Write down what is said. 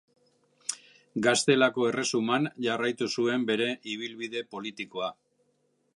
Gaztelako Erresuman jarraitu zuen bere ibilbide politikoa.